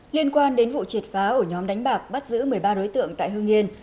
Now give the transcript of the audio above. liên quan đến vụ triệt phá ổ nhóm đánh bạc bắt giữ một mươi ba đối tượng tại hương yên